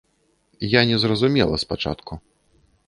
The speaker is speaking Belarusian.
Я не зразумела спачатку.